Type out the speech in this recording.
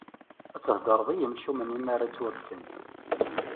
Ad tḥedreḍ i yimcumen mi ara ttwakksen.